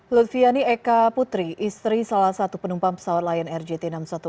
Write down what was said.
lutfiani eka putri istri salah satu penumpang pesawat lion air jt enam ratus sepuluh